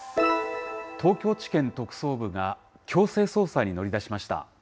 東京地検特捜部が、強制捜査に乗り出しました。